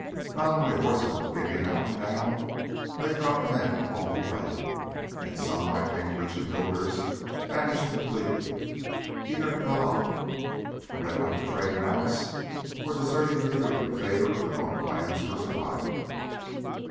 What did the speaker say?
Not only horses were giving out now; they dropped men along the way. And some like Cambridge and Hilders vanished completely, either cut off when they went to "trade" mounts, or deserting the troop in favor of their own plans for survival.